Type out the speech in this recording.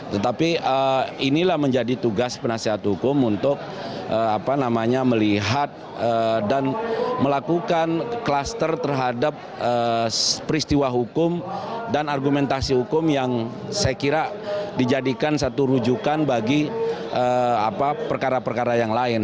tetapi inilah menjadi tugas penasihat hukum untuk melihat dan melakukan kluster terhadap peristiwa hukum dan argumentasi hukum yang saya kira dijadikan satu rujukan bagi perkara perkara yang lain